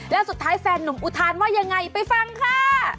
แล้วสุดท้ายแฟนหนุ่มอุทานว่ายังไงไปฟังค่ะ